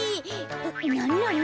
なんなの？